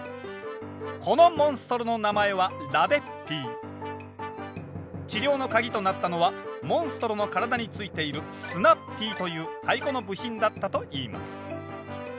このモンストロの名前は治療の鍵となったのはモンストロの体に付いているスナッピーという太鼓の部品だったといいます。